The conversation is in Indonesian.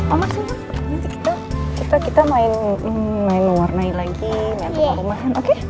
oma sini kita main warna lagi main rumah rumahan oke